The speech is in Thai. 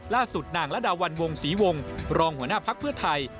ล่าสุดนางระดาวันวงศรีวงศ์รองหัวหน้าภักดิ์เพื่อไทย